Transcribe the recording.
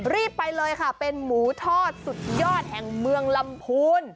รีบไปเลยค่ะเป็นหมูทอดสุดยอดแห่งเมืองลำพูน